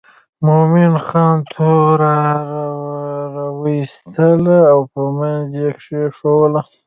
مومن خان توره را وایستله او په منځ یې کېښووله.